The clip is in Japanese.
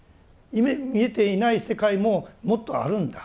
見えていない世界ももっとあるんだ。